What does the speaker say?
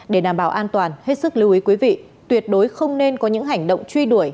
để đảm bảo an toàn hết sức lưu ý quý vị tuyệt đối không nên có những hành động truy đuổi